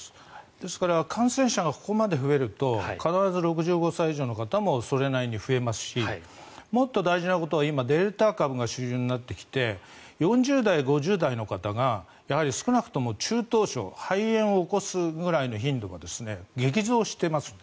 ですから感染者がここまで増えると必ず６５歳以上の方もそれなりに増えますしもっと大事なことは今デルタ株が主流になってきて４０代、５０代の方がやはり少なくとも中等症、肺炎を起こすぐらいの頻度が激増していますね。